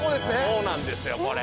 そうなんですよこれ。